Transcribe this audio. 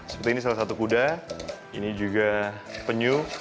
seperti ini salah satu kuda ini juga penyu